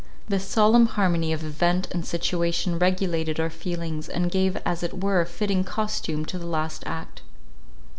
This solemn harmony of event and situation regulated our feelings, and gave as it were fitting costume to our last act.